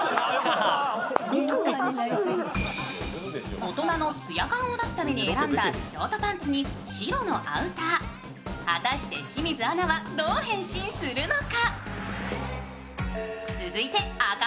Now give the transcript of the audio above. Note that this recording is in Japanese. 大人のつや感を出すために選んだショートパンツに白のアウター、果たして清水アナはどう変身するのか？